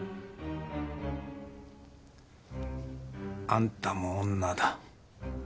あんたも女だ。